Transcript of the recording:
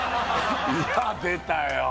いや出たよ